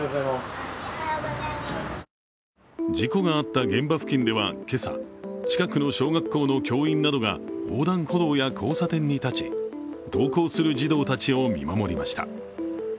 事故があった現場付近では今朝、近くの小学校の教員などが横断歩道や交差点に立ち登校する児童たちを見守りました。